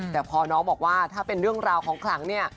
แต่พอน้องบอกว่าถ้าเป็นเรื่องราวของขลังเนี่ย